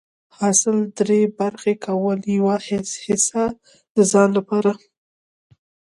حاصل دری برخي کول، يوه حيصه د ځان لپاره